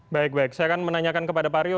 baik baik saya akan menanyakan kepada pak rio